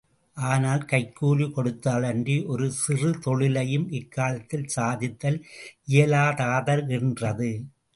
ஆனால், கைக்கூலி கொடுத்தாலன்றி ஒரு சிறு தொழிலையும் இக்காலத்தில் சாதித்தல் இயலாததாகின்றது.